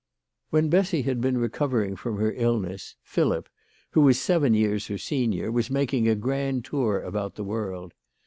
When Bessy had been recovering from her illness, Philip, who was seven years her senior, was making a grand tour about the world.